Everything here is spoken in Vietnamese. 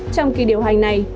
trong kỳ điều hành này